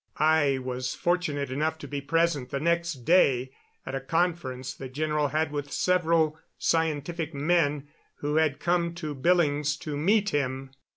I was fortunate enough to be present the next day at a conference the general had with several scientific men who had come to Billings to meet him.